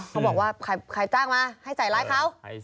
เขาบอกว่าใครจ้างมาให้ใส่ร้ายเขา